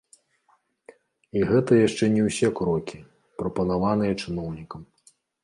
І гэта яшчэ не ўсе крокі, прапанаваныя чыноўнікам.